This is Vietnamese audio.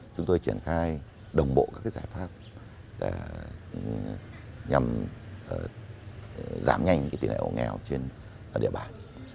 chúng tôi triển khai đồng bộ các giải pháp nhằm giảm nhanh tỷ lệ hộ nghèo trên địa bàn